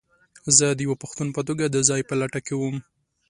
زه د یوه پښتون په توګه د ځاى په لټه کې وم.